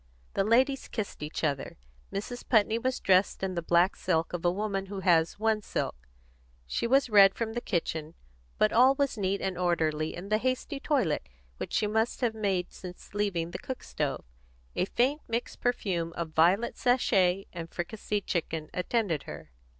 The ladies kissed each other. Mrs. Putney was dressed in the black silk of a woman who has one silk; she was red from the kitchen, but all was neat and orderly in the hasty toilet which she must have made since leaving the cook stove. A faint, mixed perfume of violet sachet and fricasseed chicken attended her.